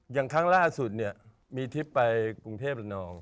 อย่างครั้งล่าสุดเนี่ยมีทริปไปกรุงเทพละนอง